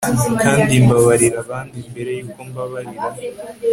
kandi mbabarira abandi mbere yuko mbabarira